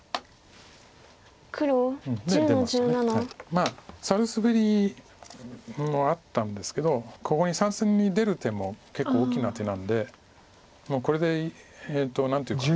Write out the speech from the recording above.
まあサルスベリもあったんですけどここに３線に出る手も結構大きな手なんでもうこれで何ていうか。